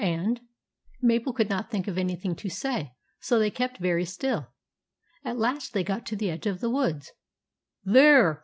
c •* THE GREEN LIZARD n Mabel could not think of anything to say, so they kept very still. At last they got to the edge of the woods. " There